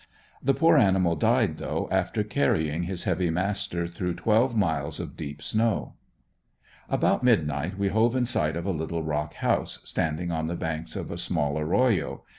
The poor animal died though after carrying his heavy master through twelve miles of deep snow. About midnight we hove in sight of a little rock house standing on the banks of a small arroyo.